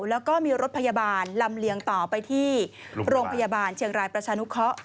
แล้วก็มีรถพยาบาลลำเลียงต่อไปที่โรงพยาบาลเชียงรายประชานุเคาะ